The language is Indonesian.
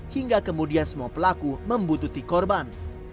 hingga kemudian semua pelaku membutuhkan korban